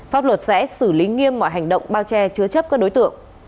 pháp luật sẽ xử lý nghiêm mọi hành động bao che chứa chấp các đối tượng